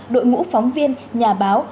đội ngũ phóng viên nhà báo